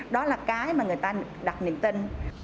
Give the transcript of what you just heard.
đó là cái mà người ta đặt niềm tin